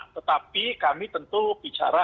tetapi kami tentu bicara